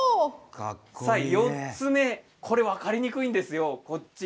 さらに４つ目これは分かりにくいんですよ。